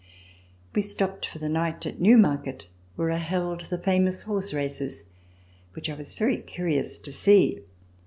We stopped for the night at Newmarket where are held the famous horse races, which I was very curious to see.